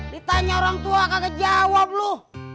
ditanya orang tua kagak jawab loh